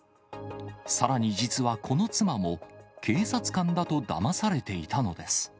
さらに実はこの妻も、警察官だとだまされていたのです。